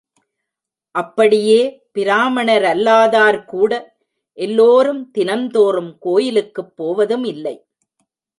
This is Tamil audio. அப்படியே பிராமணரல்லாதார் கூட எல்லோரும் தினந்தோறும் கோயிலுக்குப் போவதுமில்லை.